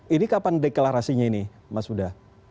ini kapan deklarasinya ini mas huda